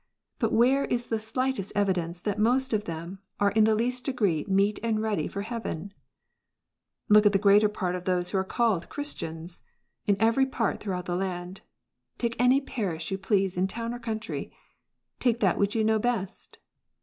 But where is the slightest evidence that most of them are in the least degree meet and ready for heaven 1 Look at the greater part of those who are called Christians, in every part throughout the land. Take any parish you please in town or country. Take that which you know best.